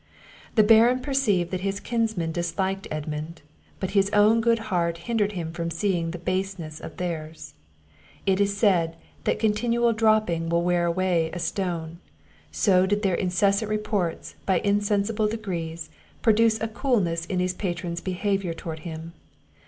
The Baron perceived that his kinsmen disliked Edmund; but his own good heart hindered him from seeing the baseness of theirs. It is said, that continual dropping will wear away a stone; so did their incessant reports, by insensible degrees, produce a coolness in his patron's behaviour towards him.